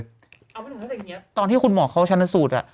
เอาเป็นอย่างนี้ตอนที่คุณหมอเขาชันสูตร